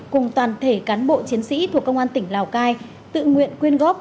cùng toàn thể cán bộ chiến sĩ thuộc công an tỉnh lào cai tự nguyện quyên góp